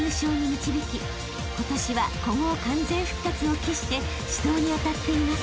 ［今年は古豪完全復活を期して指導に当たっています］